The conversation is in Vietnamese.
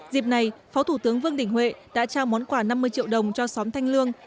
dịp này phó thủ tướng vương đình huệ đã trao món quà năm mươi triệu đồng cho xóm thanh lương